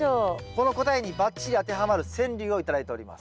この答えにバッチリ当てはまる川柳を頂いております。